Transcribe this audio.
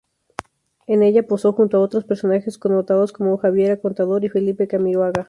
En ella posó junto a otros personajes connotados como Javiera Contador y Felipe Camiroaga.